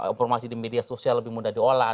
informasi di media sosial lebih mudah diolah